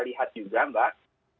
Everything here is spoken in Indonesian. lihat juga mbak